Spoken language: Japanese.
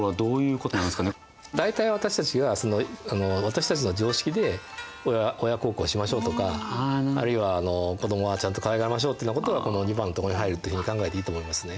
大体私たちが私たちの常識で親孝行しましょうとかあるいは子どもはちゃんとかわいがりましょうっていうようなことがこの２番のとこに入るっていうふうに考えていいと思いますね。